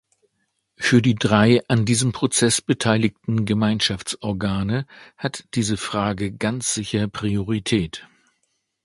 Für die drei an diesem Prozess beteiligten Gemeinschaftsorgane hat diese Frage ganz sicher Priorität.